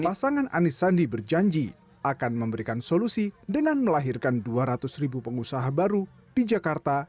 pasangan anis sandi berjanji akan memberikan solusi dengan melahirkan dua ratus ribu pengusaha baru di jakarta